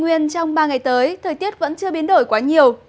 nhiệt độ trong ngày tới thời tiết vẫn chưa biến đổi quá nhiều